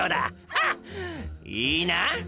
ハッいいな？